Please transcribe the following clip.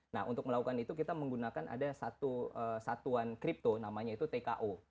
nah untuk melakukan itu kita menggunakan ada satuan kripto namanya itu tko